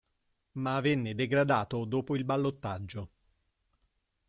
Ma venne degradato dopo il ballottaggio.